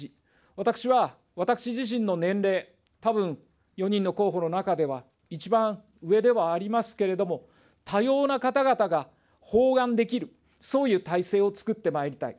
私は私自身の年齢、たぶん、４人の候補の中では一番上ではありますけれども、多様な方々が包含できる、そういう体制をつくってまいりたい。